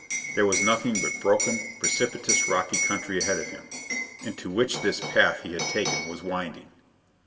There was nothing but broken, precipitous rocky country ahead of him, into which this path he had taken was winding.